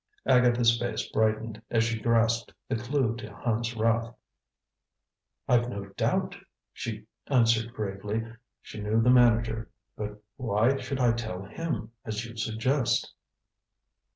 Agatha's face brightened, as she grasped the clue to Hand's wrath. "I've no doubt," she answered gravely. She knew the manager. "But why should I tell him, as you suggest?"